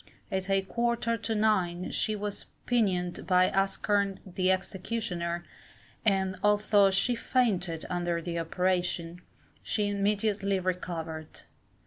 At a quarter to nine she was pinioned by Askerne the executioner, and although she fainted under the operation, she immediately recovered.